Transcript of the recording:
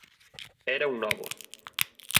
Era un novo.